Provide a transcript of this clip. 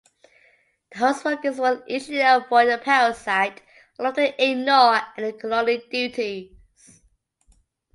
The host workers will initially avoid the parasite and often ignore any colony duties.